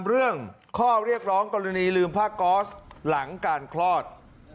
เรื่องข้อเรียกร้องกรณีลืมผ้าก๊อสหลังการคลอด